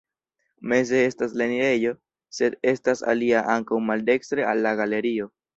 Meze estas la enirejo, sed estas alia ankaŭ maldekstre al la galerio.